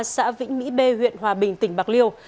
xã vĩnh mỹ b huyện hòa bình tỉnh bạc liêu